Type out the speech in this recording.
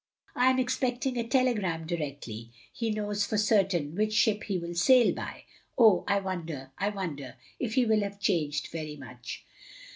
I am ex pecting a telegram directly he knows for cer tain which ship he will sail by. Oh, I won der, I wonder — ^if he will have changed very much."